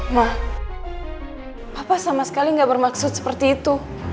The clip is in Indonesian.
ma papa sama sekali gak bermaksud seperti itu